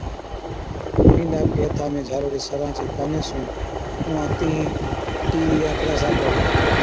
بِينڏَ آپڪي ھٿا ۾ جھالوڙي سران چي ڪاني سُون اُونھان تينھين T يان ڪِراسا پر